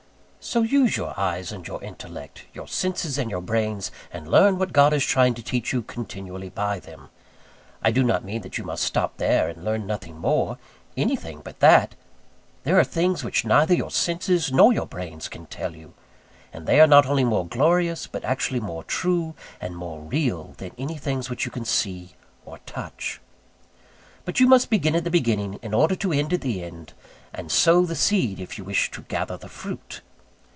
So use your eyes and your intellect, your senses and your brains, and learn what God is trying to teach you continually by them. I do not mean that you must stop there, and learn nothing more. Anything but that. There are things which neither your senses nor your brains can tell you; and they are not only more glorious, but actually more true and more real than any things which you can see or touch. But you must begin at the beginning in order to end at the end, and sow the seed if you wish to gather the fruit.